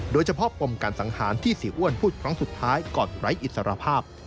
ปมการสังหารที่เสียอ้วนพูดครั้งสุดท้ายก่อนไร้อิสรภาพ